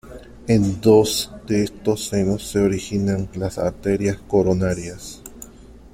En dos de estos senos se originan las "arterias coronarias".